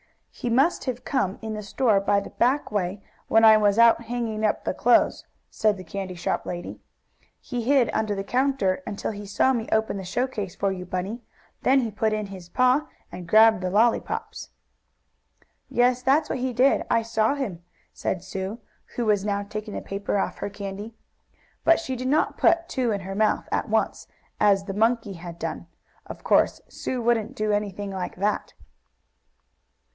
"He must have come in the store by the back way, when I was out hanging up the clothes," said the candy shop lady. "He hid under the counter until he saw me open the showcase for you, Bunny. Then he put in his paw, and grabbed the lollypops." "Yes, that's what he did I saw him," said Sue, who was now taking the paper off her candy. But she did not put two in her mouth, at once, as the monkey had done. Of course Sue wouldn't do anything like that.